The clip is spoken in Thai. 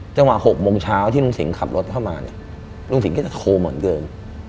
จังหวะ๖โมงเช้าที่ลุงสิงห์ขับรถเข้ามาเนี่ยลุงสิงห์ก็จะโทรเหมือนเดิม